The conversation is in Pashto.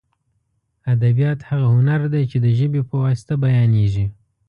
ادبیات هغه هنر دی چې د ژبې په واسطه بیانېږي.